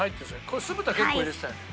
これ酢豚結構入れてたよね。